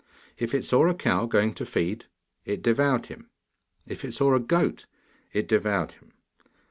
If it saw a cow going to feed, it devoured him. If it saw a goat, it devoured him.